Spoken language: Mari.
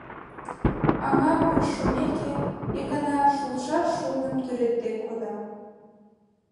Аҥа вуйыш шумеке, икана шулшаш шурным тӱредде кода.